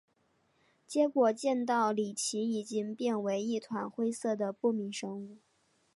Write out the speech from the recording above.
结果见到李奇已经变为一团灰色的不明生物。